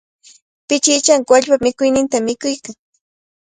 Pichisanka wallpapa mikuynintami mikuykan.